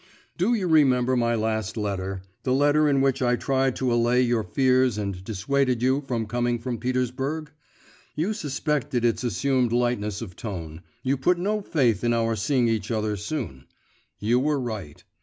Do you remember my last letter the letter in which I tried to allay your fears and dissuaded you from coming from Petersburg? You suspected its assumed lightness of tone, you put no faith in our seeing each other soon; you were right.